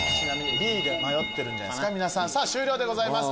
Ｂで迷ってるんじゃないですかさぁ終了でございます。